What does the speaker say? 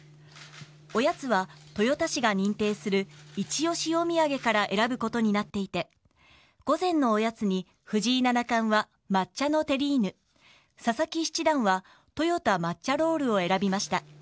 おやつは、豊田市が認定するイチオシおみやげから選ぶことになっていて午前のおやつに藤井七冠は抹茶のテリーヌ佐々木七段はとよた抹茶ロールを選びました。